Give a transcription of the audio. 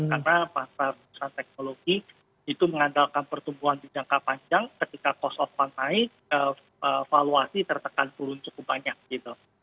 karena pasar teknologi itu mengandalkan pertumbuhan di jangka panjang ketika cost of pantai valuasi tertekan turun cukup banyak gitu